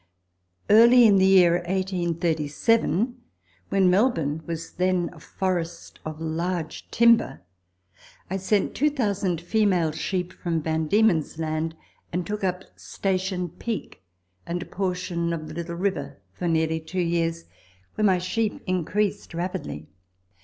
Early in the year 1837, when Melbourne was then a forest of large timber, I sent 2,000 female sheep from Van Diemen's Land, and took up Station Peak and a portion of the Little River for nearly two years, where my sheep increased rapidly.